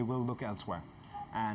mereka akan melihat ke arah lain